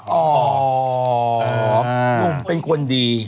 หนุ่มเป็นคนดี